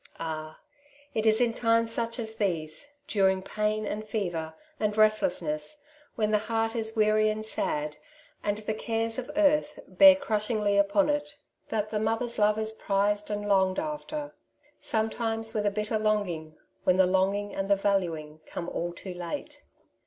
Ah ! it is in times such as these — during pain, and fever, and restlessness, when the heart is weary and sad, and the cares of earth bear crushingly upon it — that the mother's love is prized and longed after, sometima^ *jo " Two Sides to every Questioji^ with a bitter longing, when the longing and the valuing come all too late.